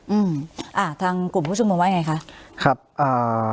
อืมอะทางกลุ่มผู้ชุมนมว่าอย่างไรคะครับเอ่อ